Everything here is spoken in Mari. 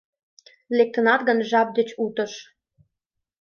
Лектынат гын жап деч утыш